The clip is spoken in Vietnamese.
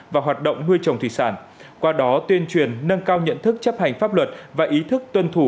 và hoạt động nuôi trồng thủy sản qua đó tuyên truyền nâng cao nhận thức chấp hành pháp luật và ý thức tuân thủ